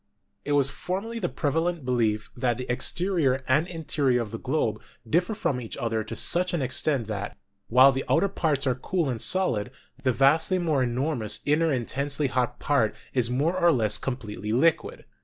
It was formerly the prevalent belief that the exterior and interior of the globe differ from each other to such an extent that, while the outer parts are cool and solid, the vastly more enormous inner intensely hot part is more or less completely liquid.